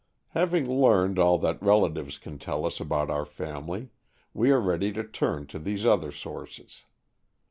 Having learned all that relatives can tell us about our family, we are ready to turn to these other sources.